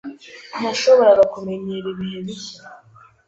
Ntiyashoboraga kumenyera ibihe bishya.